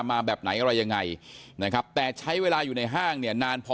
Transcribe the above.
มาแบบไหนอะไรยังไงนะครับแต่ใช้เวลาอยู่ในห้างเนี่ยนานพอ